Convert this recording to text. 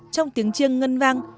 trong tiếng chiêng ngân vang